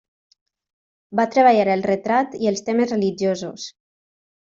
Va treballar el retrat i els temes religiosos.